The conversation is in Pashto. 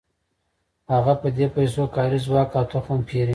هغه په دې پیسو کاري ځواک او تخم پېري